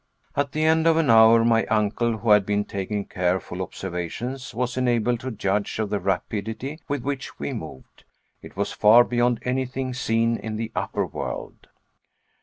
At the end of an hour, my uncle, who had been taking careful observations, was enabled to judge of the rapidity with which we moved. It was far beyond anything seen in the upper world.